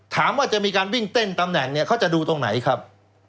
ถามว่าจะมีการวิ่งเต้นตำแหน่งเนี่ยเขาจะดูตรงไหนครับ